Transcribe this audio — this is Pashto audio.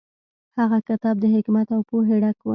هغه کتاب د حکمت او پوهې ډک و.